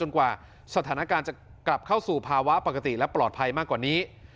กลับเข้าสู่ภาวะปกติและปลอดภัยมากกว่านี้